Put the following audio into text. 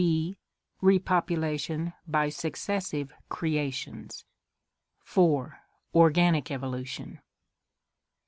b. Repopulation by successive creations. 4. Organic Evolution.